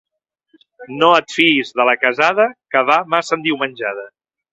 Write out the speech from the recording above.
No et fiïs de la casada que va massa endiumenjada.